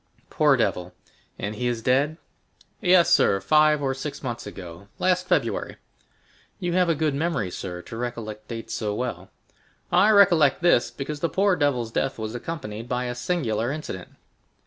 "Poor devil!—and he is dead?" "Yes, sir, five or six months ago, last February." "You have a good memory, sir, to recollect dates so well." "I recollect this, because the poor devil's death was accompanied by a singular incident."